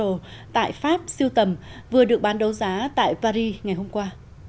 của biện pháp siêu tầm vừa được bán đấu giá tại paris ngày hôm qua